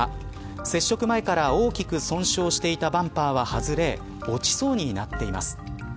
接触前から大きく損傷していたバンパーは外れ落ちそうになっています。